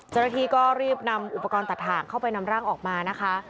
เจ้าหน้าที่ก็รีบนำอุปกรณ์ตัดถ่างเข้าไปนำร่างออกมานะคะ